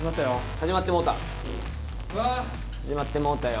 始まってもうたよ。